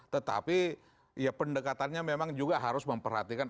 tetapi ya pendekatannya memang juga harus memperhatikan